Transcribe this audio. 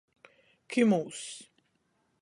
Kimūss.